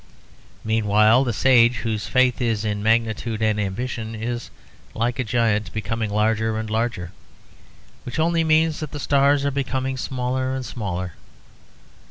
Meanwhile, the sage whose faith is in magnitude and ambition is, like a giant, becoming larger and larger, which only means that the stars are becoming smaller and smaller.